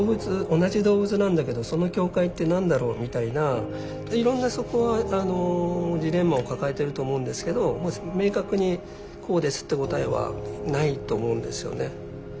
同じ動物なんだけどその境界って何だろうみたいな。でいろんなそこはジレンマを抱えてると思うんですけど明確にこうですって答えはないと思うんですよね。